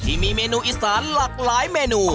ที่มีเมนูอีสานหลากหลายเมนู